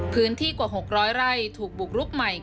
พื้นที่กว่า๖๐๐ไร่ถูกบุกรุกใหม่